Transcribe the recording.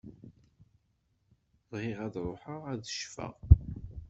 Bɣiɣ ad ṛuḥeɣ ad ccfeɣ.